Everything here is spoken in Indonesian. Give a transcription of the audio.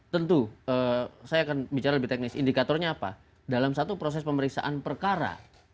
tentu saya akan bicara lebih teknis indikatornya apa dalam satu proses pemeriksaan perkara